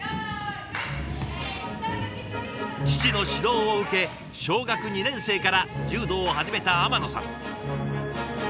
父の指導を受け小学２年生から柔道を始めた天野さん。